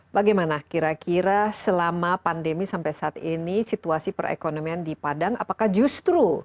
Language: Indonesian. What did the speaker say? bagaimana kira kira selama pandemi sampai saat ini situasi perekonomian di padang apakah justru